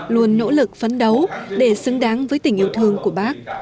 luôn nỗ lực phấn đấu để xứng đáng với tình yêu thương của bác